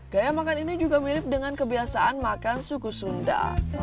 gaya makan ini juga mirip dengan kebiasaan makan suku sunda